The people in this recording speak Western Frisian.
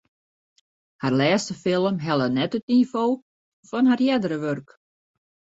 Har lêste film helle net it nivo fan har eardere wurk.